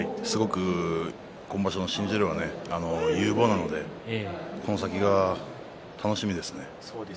今場所の新十両は有望なのでこの先が楽しみですね。